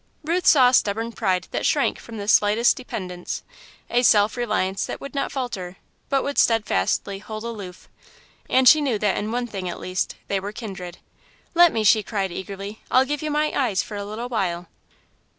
Ruth saw a stubborn pride that shrank from the slightest dependence, a self reliance that would not falter, but would steadfastly hold aloof, and she knew that in one thing, at least, they were kindred. "Let me," she cried, eagerly; "I'll give you my eyes for a little while!"